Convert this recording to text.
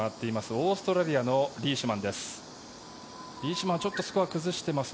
オーストラリアのリーシュマンです。